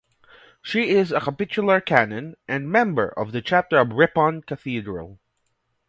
She is a Capitular Canon and member of the Chapter of Ripon cathedral.